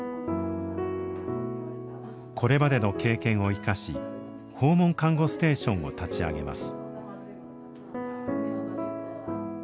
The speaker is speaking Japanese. これまでの経験を生かし訪問看護ステーションを立ち上げます。